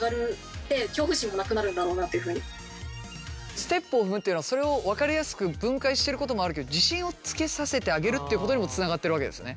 ステップを踏むっていうのはそれを分かりやすく分解してることもあるけど自信をつけさせてあげるっていうことにもつながってるわけですよね。